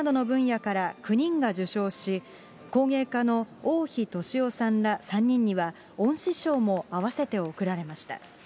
ことしは工芸や詩、能楽などの分野から９人が受賞し、工芸家の大樋としおさんら３人には恩賜賞もあわせて贈られました。